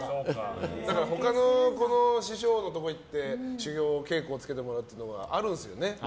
他の師匠のところに行って稽古をつけてもらうのはあるんですよね。